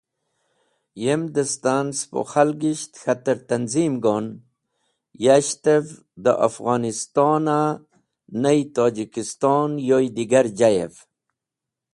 Yem dẽstan, spo khalgisht k̃hater tanzim go’n yashtev dẽ Afghoniston a ney Tojikiston yoy digar jayev.